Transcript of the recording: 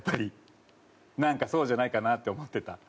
なんかそうじゃないかなって思ってた。